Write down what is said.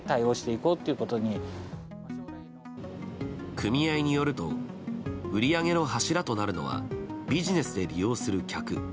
組合によると売り上げの柱となるのはビジネスで利用する客。